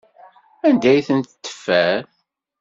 Anda ay tent-teffer?